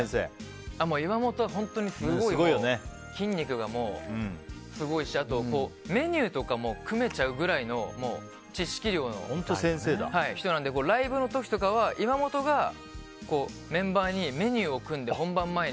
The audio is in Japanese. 岩本は本当にすごい筋肉がもうすごいしあと、メニューとかも組めちゃうくらいの知識量の人なのでライブの時とかは岩本がメンバーにメニューを組んで、本番前に。